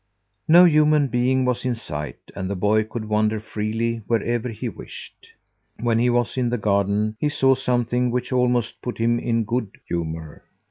No human being was in sight and the boy could wander freely wherever he wished. When he was in the garden he saw something which almost put him in good humour.